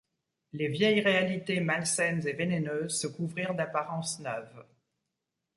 Les vieilles réalités malsaines et vénéneuses se couvrirent d’apparences neuves.